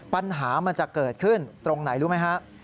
ปัญหามันจะเกิดขึ้นตรงไหนรู้ไหมฮะ